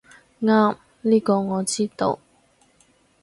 啱，呢個我知道